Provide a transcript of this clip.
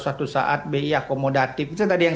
suatu saat bi akomodatif itu tadi yang